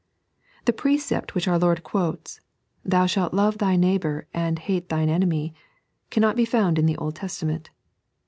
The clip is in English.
The precept which our Lord quotes :" Thou shalt love thy neighbour and hate thine enemy," cannot be found in the Old Testament.